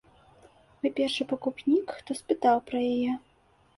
Вы першы пакупнік, хто спытаў пра яе.